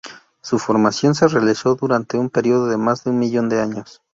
Su formación se realizó durante un periodo de más de un millón de años.